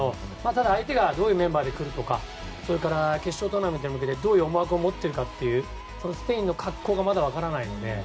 ただ、相手がどういうメンバーで来るとかそれから決勝トーナメントに向けてどういう思惑を持っているかというスペインの格好がまだ分からないので。